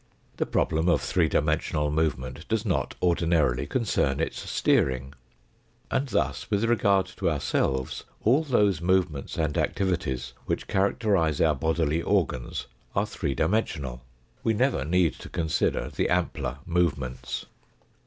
The problem of three dimensional movement does not ordinarily concern its steering. And thus with regard to ourselves all those movements and activities which characterise our bodily organs are three dimensional ; we never need to consider the ampler movements.